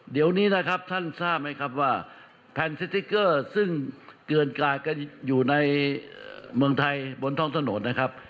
เดี๋ยวนี้นะครับท่านทราบไหมครับว่าแผ่นสติ๊กเกอร์ซึ่งเกือนกลายก็อยู่ในเมืองไทยบนท้องถนนนะครับ